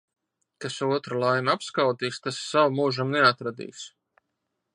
Kas otra laimi apskaudīs, tas savu mūžam neatradīs.